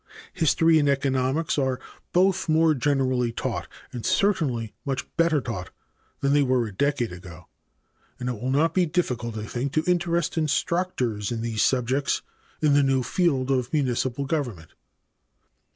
History and economics are both more generally taught and certainly much better taught than they were a decade ago, and it will not be difficult, I think, to interest instructors in these subjects in the new field of municipal government.